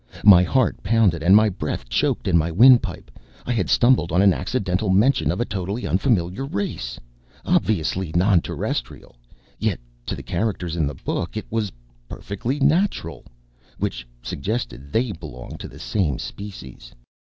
My heart pounded and my breath choked in my windpipe. I had stumbled on an accidental mention of a totally unfamiliar race. Obviously non Terrestrial. Yet, to the characters in the book, it was perfectly natural which suggested they belonged to the same species.